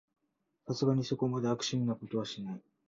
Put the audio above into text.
さすがにそこまで悪趣味なことはしない